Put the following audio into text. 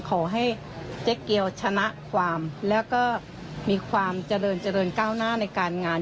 ขอให้เจ๊เกียวชนะความแล้วก็มีความเจริญเจริญก้าวหน้าในการงาน